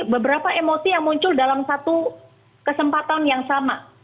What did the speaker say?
beberapa emosi yang muncul dalam satu kesempatan yang sama